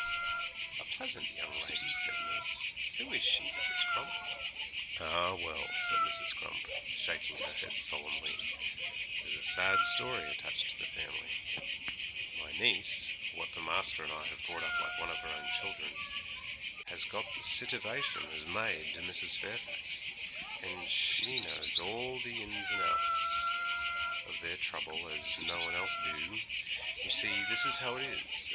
'A pleasant young lady,' said nurse; 'who is she, Mrs. Crump?' 'Ah, well,' said Mrs. Crump, shaking her head solemnly; 'there's a sad story attached to the family. My niece, what the master and I have brought up like one of our own children, has got the sitivation as maid to Mrs. Fairfax, and she knows all the ins and outs of their trouble as no one else do. You see, this is how it is!